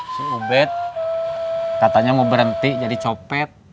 si ubed katanya mau berhenti jadi copet